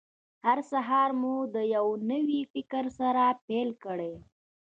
هر سهار مو د یوه نوي فکر سره پیل کړئ.